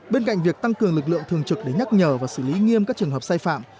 bên cạnh việc tăng cường lực lượng thường trực để nhắc nhở và xử lý nghiêm các trường hợp sai phạm